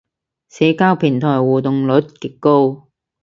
社交平台互動率極高